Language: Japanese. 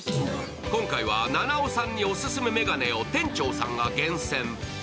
今回は、菜々緒さんにオススメの眼鏡を店長さんが厳選。